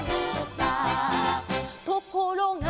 「ところが」